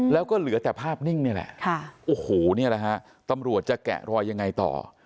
แล้วก็เหลือแต่ภาพนิ่งนี่แหละโอ้โหนี่แหละฮะตำรวจจะแกะรอยยังไงต่อ